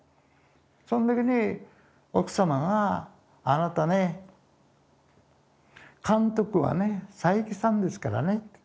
その時に奥様が「あなたね監督はね佐伯さんですからね。